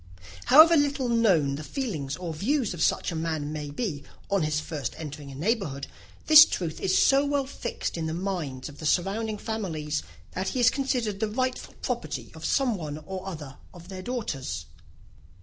However little known the feelings or views of such a man may be on his first entering a neighbourhood, this truth is so well fixed in the minds of the surrounding families, that he is considered as the rightful property of some one or other of their daughters.